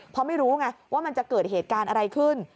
เพราะไม่รู้ไงว่ามันจะเกิดเหตุการณ์อะไรขึ้น